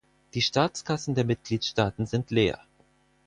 Die Staatskassen der Mitgliedstaaten sind leer.